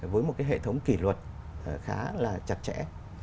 với một cái hệ thống kỷ luật khá là chặt chẽ